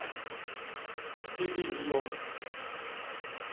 Tigil yom.